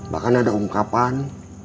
bahkan ada ungkapan